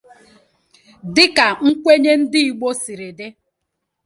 Dịka nkwenye ndịigbo siri dị